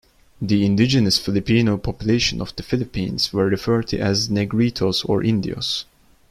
The indigenous Filipino population of the Philippines were referred to as Negritos or Indios.